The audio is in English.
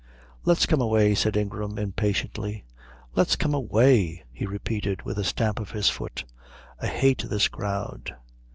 "Let's come away," said Ingram, impatiently. "Let's come away!" he repeated with a stamp of his foot. "I hate this crowd."